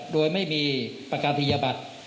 โดยไม่มีประกาศพิยบัตร